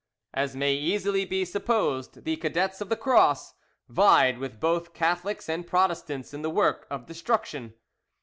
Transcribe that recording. As may easily be supposed, the "Cadets of the Cross" vied with both Catholics and Protestants in the work of destruction.